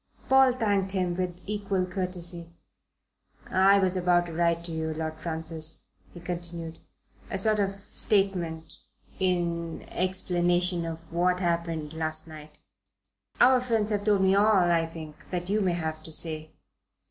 Paul thanked him with equal courtesy. "I was about to write to you, Lord Francis," he continued, "a sort of statement in explanation of what happened last night " "Our friends have told me all, I think, that you may have to say."